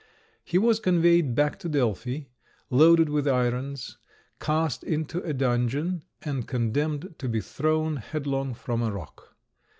He was conveyed back to Delphi, loaded with irons, cast into a dungeon, and condemned to be thrown headlong from a rock.